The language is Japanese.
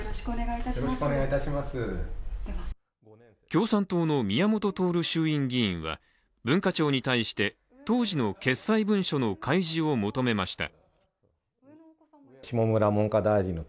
共産党の宮本徹衆院議員は文化庁に対して、当時の決裁文書の開示を求めました。